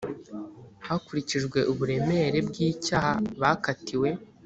hakurikijwe uburemere bwicyaha bakatiwe.